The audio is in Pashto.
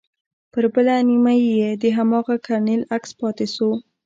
پر بله نيمه يې د هماغه کرنيل عکس پاته سو.